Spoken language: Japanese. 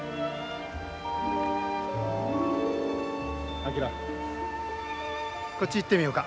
昭こっち行ってみようか。